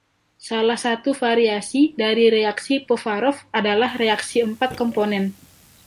Salah satu variasi dari reaksi Povarov adalah reaksi empat komponen.